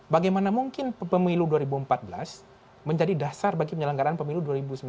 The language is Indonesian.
bagaimana mungkin pemilu dua ribu empat belas menjadi dasar bagi penyelenggaraan pemilu dua ribu sembilan belas